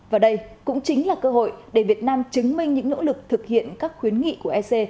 và đây cũng chính là cơ hội để việt nam chứng minh những nỗ lực thực hiện các khuyến nghị của ec